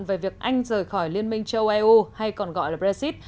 về việc anh rời khỏi liên minh châu âu hay còn gọi là brexit